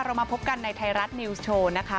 เรามาพบกันในไทยรัฐนิวส์โชว์นะคะ